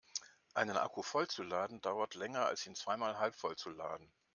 Einen Akku voll zu laden dauert länger als ihn zweimal halbvoll zu laden.